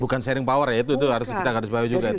bukan sharing power ya itu harus kita bawa juga